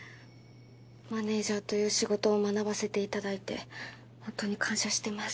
マネージャーという仕事を学ばせていただいてホントに感謝してます。